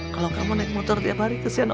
kalau kamu naik motor tiap hari kesian om